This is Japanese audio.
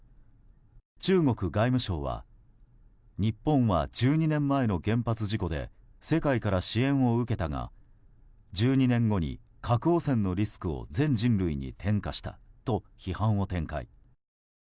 中国外務省は日本は１２年前の原発事故で世界から支援を受けたが１２年後に核汚染のリスクを全人類に転嫁したと批判を展開。